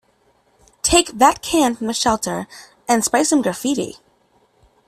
Take that can from the shelter and spray some graffiti.